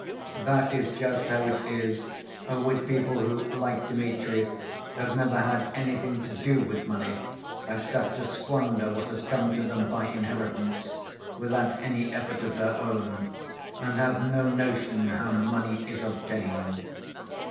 That is just how it is with people who, like Dmitri, have never had anything to do with money, except to squander what has come to them by inheritance without any effort of their own, and have no notion how money is obtained.